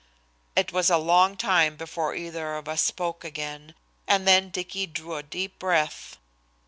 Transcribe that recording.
It was a long time before either of us spoke again, and then Dicky drew a deep breath.